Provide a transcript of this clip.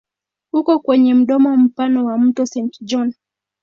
Uko kwenye mdomo mpana wa mto Saint John.